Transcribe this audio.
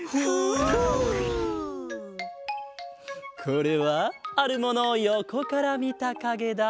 これはあるものをよこからみたかげだ。